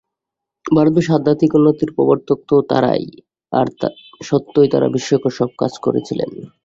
ভারতবর্ষে আধ্যাত্মিক উন্নতির প্রবর্তক তো তাঁরাই, আর সত্যই তাঁরা বিস্ময়কর সব কাজও করেছিলেন।